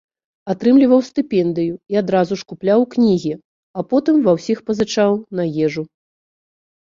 Атрымліваў стыпендыю і адразу ж купляў кнігі, а потым ва ўсіх пазычаў на ежу.